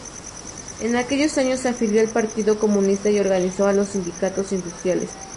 En aquellos años se afilió al Partido Comunista y organizó a los sindicatos industriales.